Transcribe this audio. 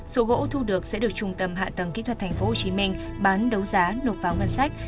số gỗ thu được sẽ được trung tâm hạ tầng kỹ thuật tp hcm bán đấu giá nộp vào ngân sách